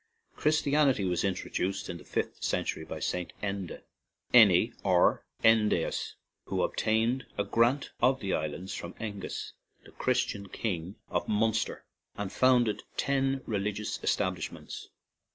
Chris tianity was introduced in the fifth cen tury by St. Enda, Eaney, or Endeus, who obtained a grant of the islands from Aen gus, the Christian king of Munster, and founded ten religious establishments.